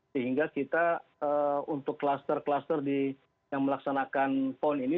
sehingga kita untuk kluster kluster yang melaksanakan pon ini